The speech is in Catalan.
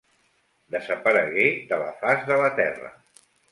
Desaparegué de la faç de la terra.